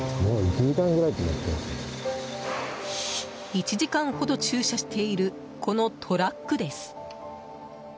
１時間ほど駐車しているこのトラックです。